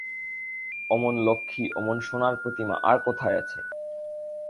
অমন লক্ষ্মী অমন সোনার প্রতিমা আর কোথায় আছে।